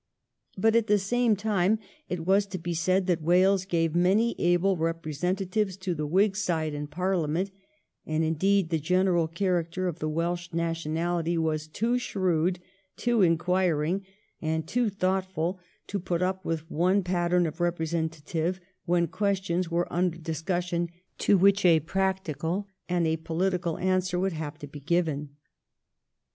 But at the same time it has to be said that Wales gave many able representatives to the Whig side in Parliament, and, indeed, the general character of the Welsh nationality was too shrewd, too inquiring, and too thoughtful to put up with one pattern of representative when questions were under discussion to which a practical and a political answer would have to be given.